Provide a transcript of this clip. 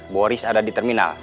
boris ada di terminal